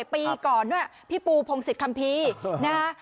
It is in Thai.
จ้างคอนเสิร์ตมาแสดงด้วยปีก่อนด้วยพี่ปูพงศิษย์คัมภีร์นะฮะ